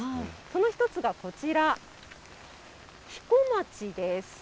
その一つがこちら、黄小町です。